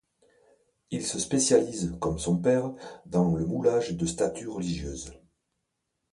Il se spécialise, comme son père, dans le moulage de statues religieuses.